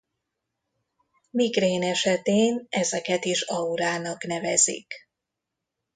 Migrén esetén ezeket is aurának nevezik.